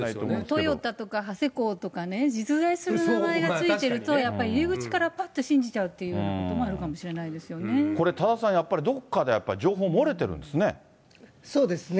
トヨタとかハセコウとかね、実在する名前が付いてると、やっぱり入り口からぱっと信じちゃうということもあるかもしれなこれ多田さん、どこかで情報そうですね。